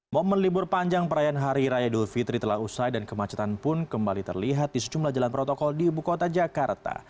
momen libur panjang perayaan hari raya idul fitri telah usai dan kemacetan pun kembali terlihat di sejumlah jalan protokol di ibu kota jakarta